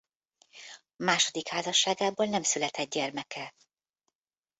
Második házasságából nem született gyermeke.